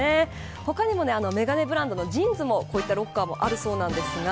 他にも眼鏡ブランドのＪＩＮＳもこういったロッカーがあるようです。